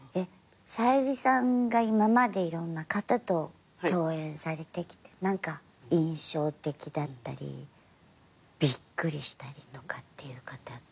小百合さんが今までいろんな方と共演されてきて印象的だったりびっくりしたりとかっていう方。